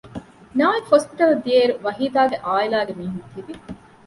ނާއިފް ހޮސްޕިޓަލަށް ދިޔައިރު ވަހީދާގެ އާއިލާގެ މީހުން ތިވި